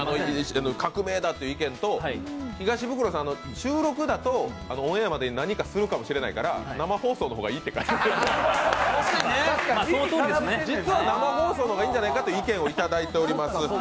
革命だという意見と、東ブクロさん、収録だとオンエアまでに何かするかもしれないから生放送の方がいいと、実は生放送の方がいいんじゃないかという意見をいただいております。